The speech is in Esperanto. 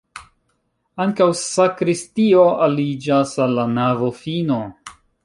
Ankaŭ sakristio aliĝas al la navofino.